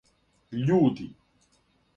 Људи